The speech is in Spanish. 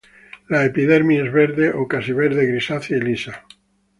La epidermis es verde o casi verde grisácea y lisa.